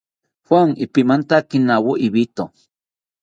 Juan ipimantakinawo ibito